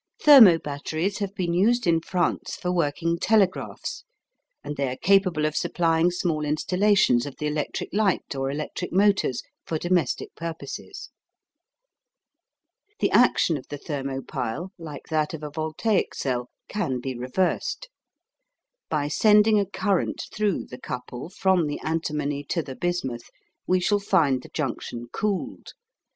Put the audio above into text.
Thermo batteries have been used in France for working telegraphs, and they are capable of supplying small installations of the electric light or electric motors for domestic purposes. The action of the thermo pile, like that of a voltaic cell, can be reversed. By sending a current through the couple from the antimony to the bismuth we shall find the junction cooled.